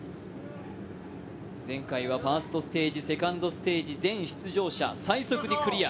前回はファーストステージ、セカンドステージ全出場者最速でクリア。